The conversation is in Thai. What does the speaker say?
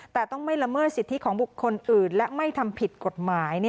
แต่ต้องไม่ละเมิดสิทธิของบุคคลอื่นและไม่ทำผิดกฎหมาย